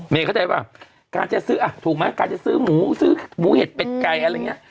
เข้าใจป่ะการจะซื้ออ่ะถูกไหมการจะซื้อหมูซื้อหมูเห็ดเป็ดไก่อะไรอย่างนี้